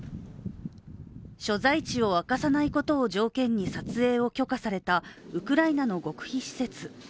所在地を明かさないことを条件に撮影を許可されたウクライナの極秘施設。